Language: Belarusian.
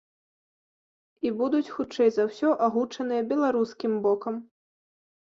І будуць хутчэй за ўсё агучаныя беларускім бокам.